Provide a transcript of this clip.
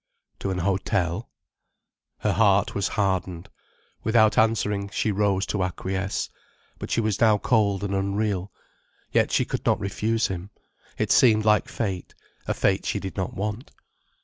"To an hotel." Her heart was hardened. Without answering, she rose to acquiesce. But she was now cold and unreal. Yet she could not refuse him. It seemed like fate, a fate she did not want.